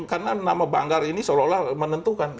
karena nama banggar ini seolah olah menentukan